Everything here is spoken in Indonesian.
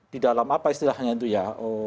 di dalam apa istilahnya itu ya